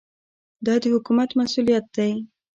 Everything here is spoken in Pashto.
دا د حکومت مسوولیت دی.